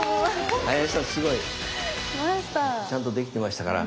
ちゃんとできてましたから。